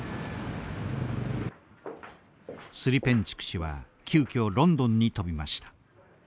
スリペンチュク氏は急きょロンドンに飛びました。